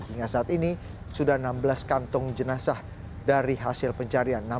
hingga saat ini sudah enam belas kantong jenazah dari hasil pencarian